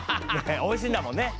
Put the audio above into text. おいしいんだもんねっ。